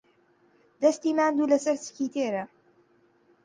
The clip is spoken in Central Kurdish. دەستی ماندوو لەسەر سکی تێرە